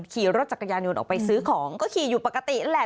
ขี่รถจักรยานยนต์ออกไปซื้อของก็ขี่อยู่ปกตินั่นแหละ